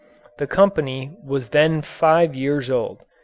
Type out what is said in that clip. The company was then five years old.